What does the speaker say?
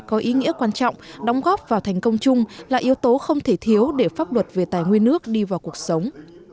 có ý nghĩa quan trọng đóng góp vào thành công chung là yếu tố không thể thiếu để pháp luật về tài nguyên nước đi vào cuộc sống